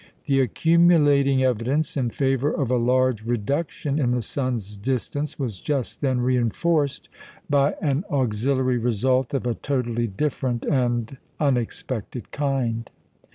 The accumulating evidence in favour of a large reduction in the sun's distance was just then reinforced by an auxiliary result of a totally different and unexpected kind.